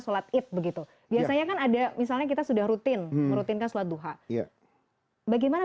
sholat id begitu biasanya kan ada misalnya kita sudah rutin merutinkan sholat duha bagaimana